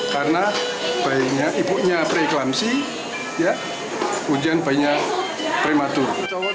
karena ibunya preeklamsi hujan bayinya prematur